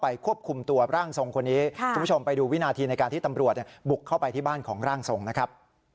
ควบคุมตัวร่างทรงคนนี้คุณผู้ชมไปดูวินาทีในการที่ตำรวจบุกเข้าไปที่บ้านของร่างทรงนะครับ